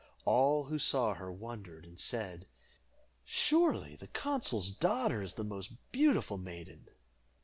All who saw her wondered, and said, "Surely the consul's daughter is the most beautiful maiden!"